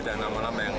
ada nama nama yang